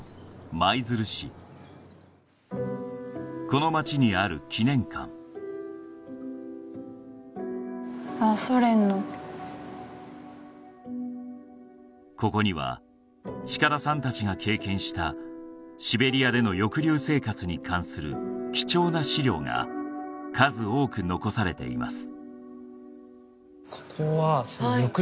この町にある記念館ああソ連のここには近田さんたちが経験したシベリアでの抑留生活に関する貴重な資料が数多く残されています